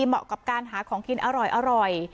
เหมาะกับการหาของกินอร่อย